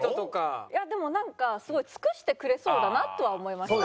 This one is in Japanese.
いやでもなんかすごい尽くしてくれそうだなとは思いました。